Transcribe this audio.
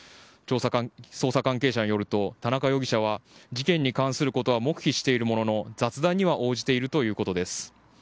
捜査関係者によると田中容疑者は事件に関することは黙秘しているものの雑談には応じているということです。